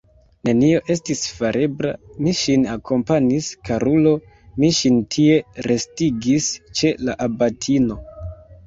Nenio estis farebla, mi ŝin akompanis, karulo, mi ŝin tie restigis ĉe la abatino!